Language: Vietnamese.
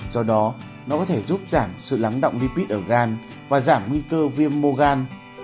do đó nó có thể giúp giảm sự lắng động lipid ở gan và giảm nguy cơ viêm mô gan